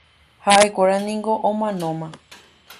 Haʼekuéra niko omanóma.